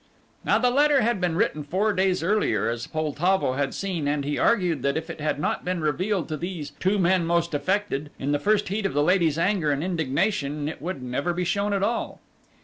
Now the letter had been written four days earlier, as Poltavo had seen, and he argued that if it had not been revealed to these "two men most affected" in the first heat of the lady's anger and indignation, it would never be shown at all.